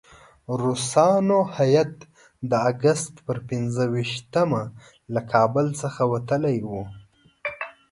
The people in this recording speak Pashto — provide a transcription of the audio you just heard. روسانو هیات د اګست پر پنځه ویشتمه له کابل څخه وتلی وو.